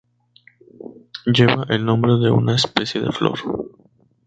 Lleva el nombre de una especie de flor.